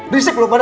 risik lo pada